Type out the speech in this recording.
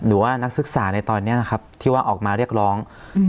หรือว่านักศึกษาในตอนนี้นะครับที่ว่าออกมาเรียกร้องอืม